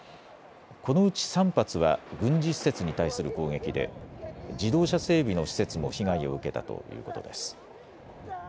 このうち３発は軍事施設に対する攻撃で自動車整備の施設も被害を受けたということです。